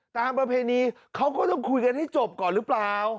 ตามประเภนนีเขาก็ต้องคุยกันให้จบก่อนรึเปลื้อ